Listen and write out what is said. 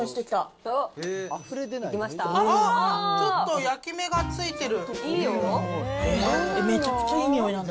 ちょっと焼き目がついてる。